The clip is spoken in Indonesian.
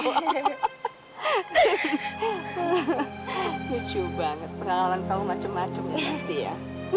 lucu banget pengalaman tahu macam macamnya pasti ya